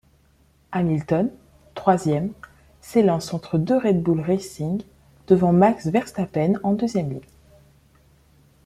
Hamilton, troisième, s'élance entre deux Red Bull Racing, devant Max Verstappen en deuxième ligne.